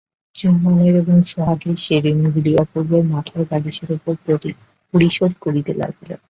চুম্বনের এবং সোহাগের সে ঋণগুলি অপূর্বর মাথার বালিশের উপর পরিশোধ করিতে লাগিল।